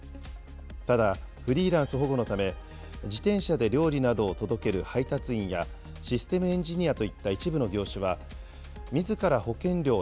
ただ、フリーランス保護のため、自転車で料理などを届ける配達員や、システムエンジニアといった一部の業種は、みずから保険料を